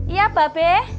iya pa be